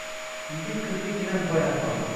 Yigit-qizga gilam poyandoz.